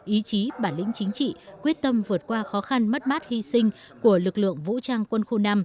ý chí bản lĩnh chính trị quyết tâm vượt qua khó khăn mất mát hy sinh của lực lượng vũ trang quân khu năm